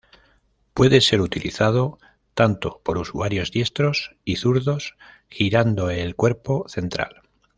Puede ser utilizado tanto por usuarios diestros y zurdos, girando el cuerpo central.